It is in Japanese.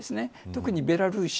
特にベラルーシ。